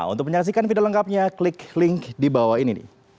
untuk menyaksikan video lengkapnya klik link di bawah ini